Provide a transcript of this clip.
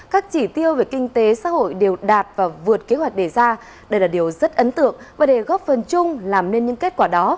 các chỉ tiêu về kinh tế xã hội đều đạt và vượt kế hoạch đề ra đây là điều rất ấn tượng và để góp phần chung làm nên những kết quả đó